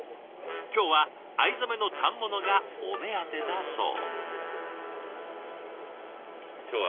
今日は藍染めの反物がお目当てだそう。